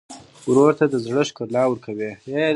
ورور ته د زړه ښکلا ورکوې.